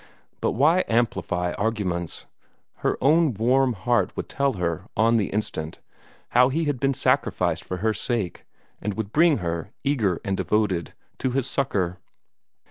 But why amplify arguments? Her own warm heart would tell her, on the instant, how he had been sacrificed for her sake, and would bring her, eager and devoted, to his succor.